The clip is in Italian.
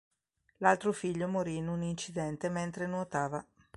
L'altro figlio morì in un incidente mentre nuotava.